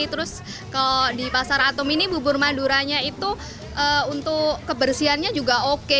terus kalau di pasar atom ini bubur maduranya itu untuk kebersihannya juga oke